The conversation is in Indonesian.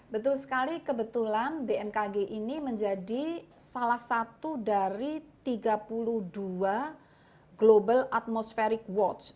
betul sekali kebetulan bmkg ini menjadi salah satu dari tiga puluh dua global atmosferik watch